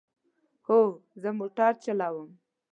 هو، زه موټر چلوم